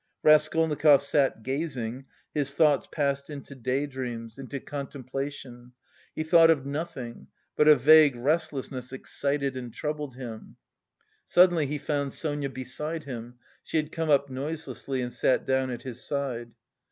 Raskolnikov sat gazing, his thoughts passed into day dreams, into contemplation; he thought of nothing, but a vague restlessness excited and troubled him. Suddenly he found Sonia beside him; she had come up noiselessly and sat down at his side.